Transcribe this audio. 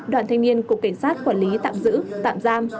đoàn thanh niên cục cảnh sát quản lý tạm giữ tạm giam